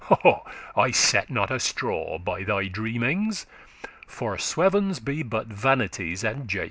* *delay I sette not a straw by thy dreamings, For swevens* be but vanities and japes.